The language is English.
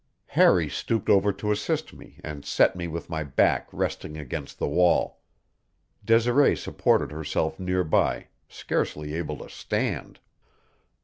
Harry stooped over to assist me and set me with my back resting against the wall. Desiree supported herself near by, scarcely able to stand.